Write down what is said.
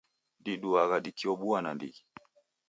Diduagha dikiobua nandighi.